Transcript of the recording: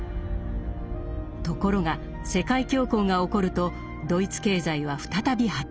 ところが世界恐慌が起こるとドイツ経済は再び破綻。